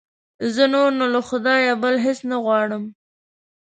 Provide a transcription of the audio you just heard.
زه نور نو له خدایه بل هېڅ نه غواړم.